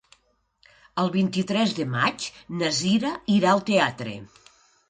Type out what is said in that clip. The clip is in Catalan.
El vint-i-tres de maig na Cira irà al teatre.